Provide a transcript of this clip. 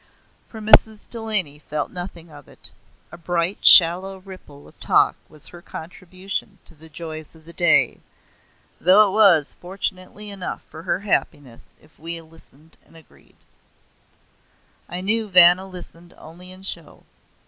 For Mrs. Delany felt nothing of it. A bright shallow ripple of talk was her contribution to the joys of the day; though it was, fortunately, enough for her happiness if we listened and agreed. I knew Vanna listened only in show.